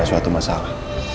ada suatu masalah